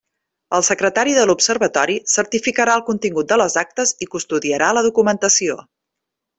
El secretari de l'Observatori certificarà el contingut de les actes i custodiarà la documentació.